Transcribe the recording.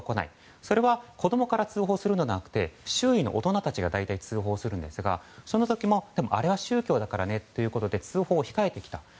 それは子供から通報するのではなく周囲の大人たちが通報するんですがその時もあれは宗教だからと通報を控えてきた。